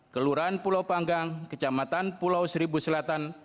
kelurahan pulau panggang kecamatan pulau seribu selatan